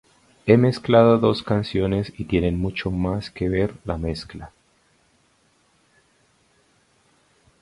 He mezclado dos canciones y tienen mucho más que ver la mezcla.